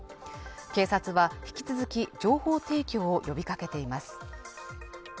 警察は引き続き情報提供を呼びかけています